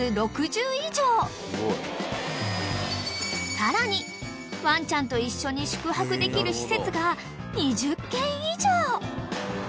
［さらにワンちゃんと一緒に宿泊できる施設が２０軒以上］